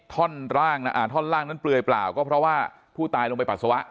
ท่อนล่างนั้นเปลือยเปล่าก็เพราะว่าผู้ตายลงไปปัสสาวะ